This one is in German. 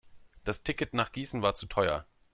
Das Ticket nach Gießen war zu teuer